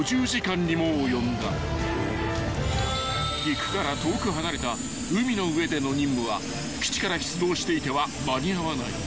［陸から遠く離れた海の上での任務は基地から出動していては間に合わない］